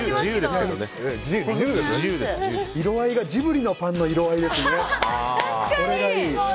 色合いがジブリのパンの色合いですね。